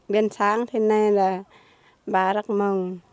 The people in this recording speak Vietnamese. bên sáng thế này là bà rất mừng